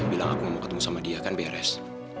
bilang aku mau ketemu sama dia kan beres